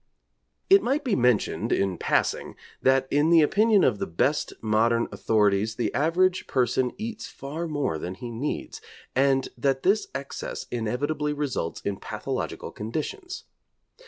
It might be mentioned, in passing, that in the opinion of the best modern authorities the average person eats far more than he needs, and that this excess inevitably results in pathological conditions.